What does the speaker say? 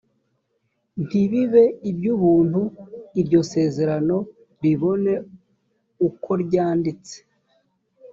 ntibibe iby ‘ubuntu iryo sezerano ribone ukoryanditse.